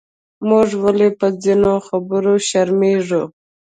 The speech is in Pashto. موږ ولې پۀ ځینو خبرو شرمېږو؟